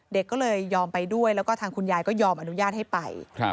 เด็กก็เลยยอมไปด้วยแล้วก็ทางคุณยายก็ยอมอนุญาตให้ไป